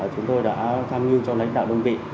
chúng tôi đã tham nhu cho lãnh đạo đồng vị